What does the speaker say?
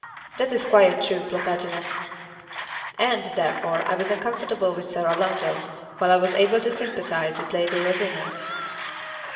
"That is quite true, Plantagenet." "And, therefore, I was uncomfortable with Sir Orlando, while I was able to sympathise with Lady Rosina."